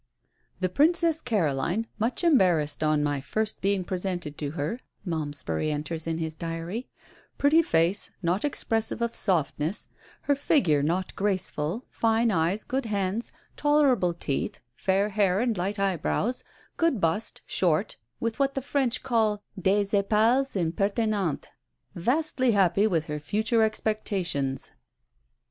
"The Princess Caroline much embarrassed on my first being presented to her," Malmesbury enters in his diary "pretty face, not expressive of softness her figure not graceful, fine eyes, good hands, tolerable teeth, fair hair and light eyebrows, good bust, short, with what the French call 'des épaules impertinentes,' vastly happy with her future expectations."